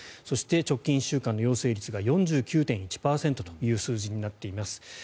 そして、直近１週間の陽性率が４９．１％という数字になっています。